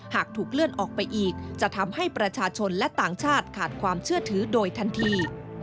หากถูกเลื่อนออกไปอีกจะทำให้ประชาชนและต่างชาติขาดความเชื่อถือโดยทันที